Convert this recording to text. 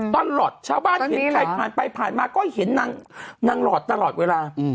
ตลอดชาวบ้านเห็นใครผ่านไปผ่านมาก็เห็นนางหลอดตลอดเวลา